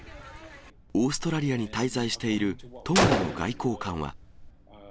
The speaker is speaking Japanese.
オーストラリアに滞在しているトンガの外交官は。